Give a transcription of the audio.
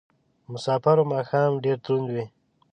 په مسافرو ماښام ډېر دروند وي